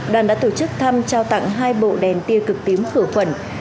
đoàn đã tổ chức thăm trao tặng hai bộ đèn tia cực tím khử khuẩn